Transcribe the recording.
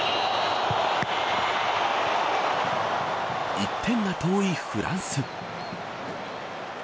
１点が遠いフランス。